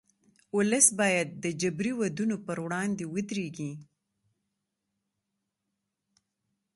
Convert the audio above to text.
اولس بايد د جبري ودونو پر وړاندې ودرېږي.